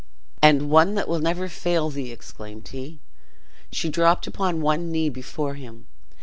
"And one that will never fail thee!" exclaimed he. She dropped upon one knee before him.